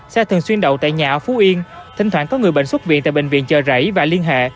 xe thường xuyên đậu tại nhà ở phú yên thỉnh thoảng có người bệnh xuất viện tại bệnh viện chờ rảy và liên hệ